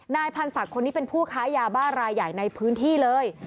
นายพันธ์ศักดิ์คนนี้เป็นผู้ค้ายาบ้ารายใหญ่ในพื้นที่เลย